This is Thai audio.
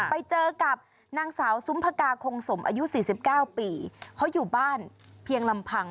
ไปเจอกับนางสาวซุมพกาคงสมอายุ๔๙ปีเขาอยู่บ้านเพียงลำพัง